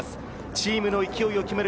チームの勢いを決める